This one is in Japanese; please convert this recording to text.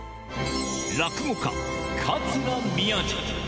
落語家、桂宮治。